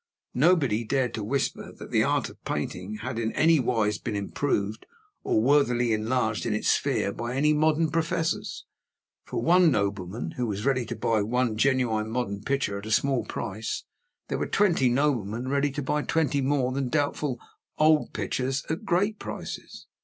Nobody dared to whisper that the Art of painting had in anywise been improved or worthily enlarged in its sphere by any modern professors. For one nobleman who was ready to buy one genuine modern picture at a small price, there were twenty noblemen ready to buy twenty more than doubtful old pictures at great prices.